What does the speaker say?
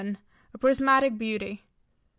A prismatic beauty. No.